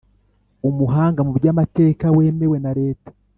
umuhanga mu by amateka wemewe na leta